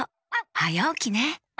はやおきね。